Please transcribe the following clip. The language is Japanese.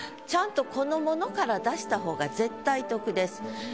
ちゃんとこのものから出したほうが絶対得です。